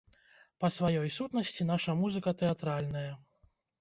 Па сваёй сутнасці наша музыка тэатральная.